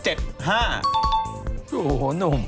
โอ้โหหนุ่ม